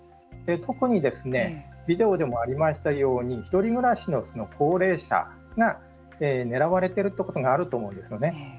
特にビデオでもありましたように１人暮らしの高齢者が狙われてるということがあると思うんですよね。